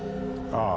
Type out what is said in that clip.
ああ。